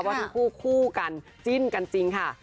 ว่าทั้งคู่คู่กันจิ้นกันจริงค่ะ